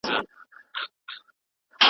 خو د دې اور په بارانونو کې به ځان ووينم